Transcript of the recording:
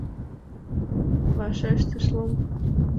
— вашештыш Лом.